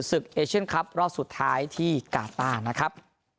เอเชียนคลับรอบสุดท้ายที่กาต้านะครับ